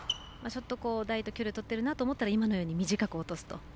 ちょっと、台と距離をとってるなと思ったら今のように短く落とすと。